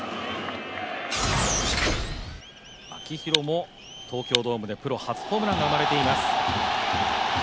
秋広も東京ドームでプロ初ホームランが生まれています。